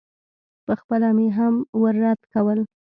پخپله مې هم ورد کول.